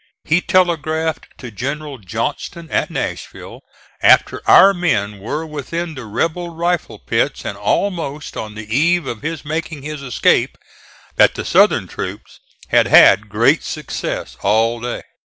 He telegraphed to General Johnston, at Nashville, after our men were within the rebel rifle pits, and almost on the eve of his making his escape, that the Southern troops had had great success all day.